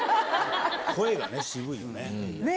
声が渋いよね。